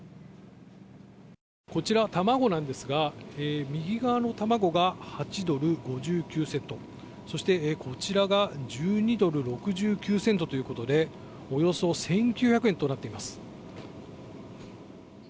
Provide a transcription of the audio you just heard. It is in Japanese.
こちら、卵なんですが右側の卵が８ドル５９セント、こちらが１２ドル６９セントでおよそ１９００円となっています。